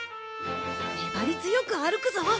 粘り強く歩くぞ！